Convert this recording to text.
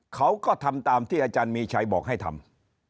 เขาก็ทำตามที่อาจารย์มีชัยบอกให้ทำ